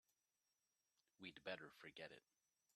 We'd better forget it.